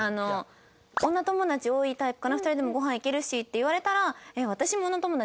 「女友達多いタイプかな２人でもご飯行けるし」って言われたら。